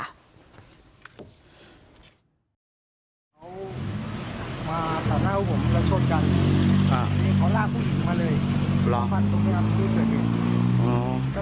อ่าเขาร่างผู้หญิงมาเลยรอฟันตรงนี้ครับอ๋อ